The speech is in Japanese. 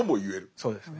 そうですね。